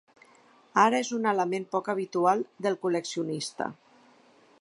Ara és un element poc habitual del col·leccionista.